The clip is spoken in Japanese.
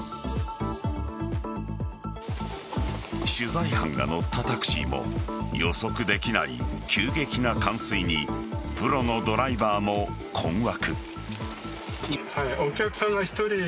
取材班が乗ったタクシーも予測できない急激な冠水にプロのドライバーも困惑。